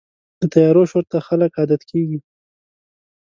د طیارو شور ته خلک عادت کېږي.